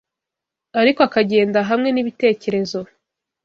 ariko akagenda Hamwe nibitekerezo